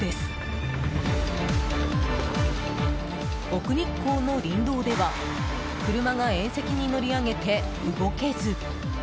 奥日光の林道では車が縁石に乗り上げて動けず。